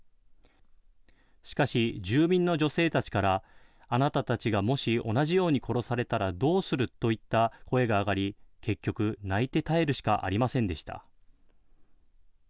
しかし、住民の女性たちから、あなたたちがもし同じように殺されたらどうするといった声が上がり、結局、泣いて耐えるしかありませんでした。